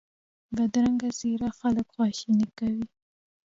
بدرنګه څېره خلک خواشیني کوي